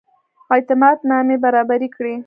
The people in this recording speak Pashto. اعتماد نامې برابري کړي.